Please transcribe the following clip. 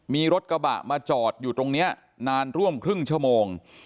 มีรถกระบะมาจอดอยู่ตรงนี้นานร่วมครึ่งชั่วโมง